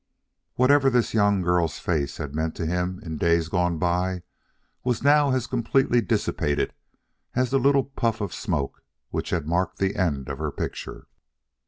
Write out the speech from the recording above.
Whatever this young girl's face had meant to him in days gone by was now as completely dissipated as the little puff of smoke which had marked the end of her picture.